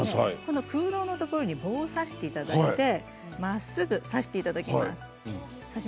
空洞のところに棒を刺していただいてまっすぐ刺していただきます。